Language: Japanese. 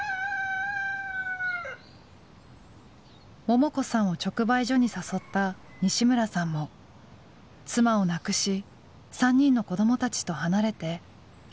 ももこさんを直売所に誘った西村さんも妻を亡くし３人の子どもたちと離れて独り暮らしをしています。